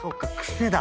癖だ。